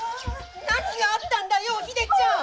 何があったんだよおひでちゃん！